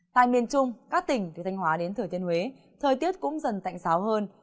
tại miền trung các tỉnh từ thanh hóa đến thời tiên huế thời tiết cũng dần tạnh sáo hơn